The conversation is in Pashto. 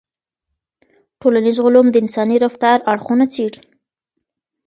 ټولنيز علوم د انساني رفتار اړخونه څېړي.